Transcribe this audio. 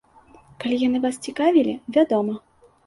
Калі яны вас цікавілі, вядома.